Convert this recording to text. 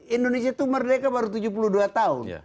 indonesia itu merdeka baru tujuh puluh dua tahun